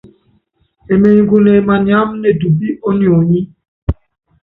Emenykune maniám ne tupí ó nionyí.